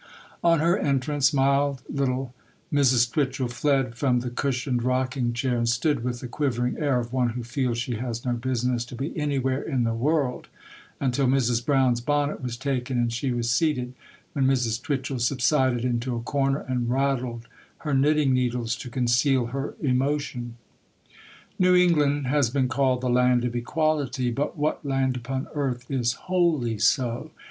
On her entrance, mild little Mrs. Twitchel fled from the cushioned rocking chair, and stood with the quivering air of one who feels she has no business to be anywhere in the world, until Mrs. Brown's bonnet was taken and she was seated, when Mrs. Twitchel subsided into a corner and rattled her knitting needles to conceal her emotion. New England has been called the land of equality; but what land upon earth is wholly so?